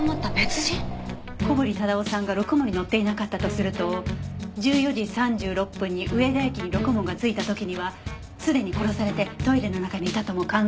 小堀忠夫さんがろくもんに乗っていなかったとすると１４時３６分に上田駅にろくもんが着いた時にはすでに殺されてトイレの中にいたとも考えられる。